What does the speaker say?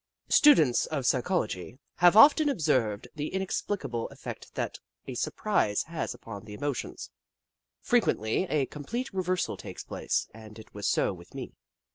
Students of psychology have often ob 84 The Book of Clever Beasts served the inexplicable effect that a surprise has upon the emotions. Frequently a com plete reversal takes place, and it was so with me.